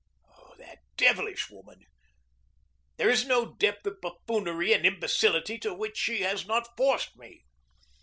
Oh, that devilish woman! There is no depth of buffoonery and imbecility to which she has not forced me.